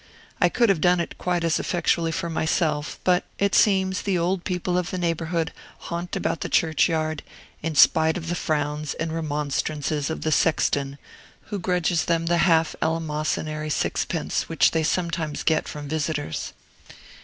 I could have done it quite as effectually for myself; but it seems, the old people of the neighborhood haunt about the churchyard, in spite of the frowns and remonstrances of the sexton, who grudges them the half eleemosynary sixpence which they sometimes get from visitors.